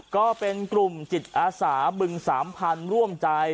ก็เป็นกลุ่มจิตอาสาบึงสามพันธุ์ร่วมใจ